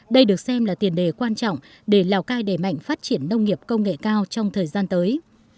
đây được xem là tiền đề quan trọng để lào cai đẩy mạnh phát triển nông nghiệp công nghệ cao trong thời gian tới